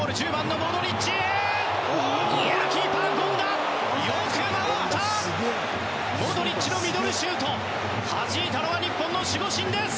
モドリッチのミドルシュートをはじいたのは日本の守護神です！